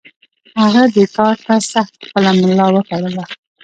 هغه دې سخت کار ته خپله ملا وتړله.